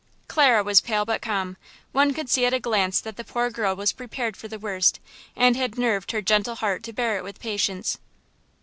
Clara was pale but calm; one could see at a glance that the poor girl was prepared for the worst, and had nerved her gentle heart to bear it with patience.